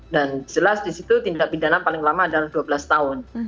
dan jelas di situ tindak bidana paling lama adalah dua belas tahun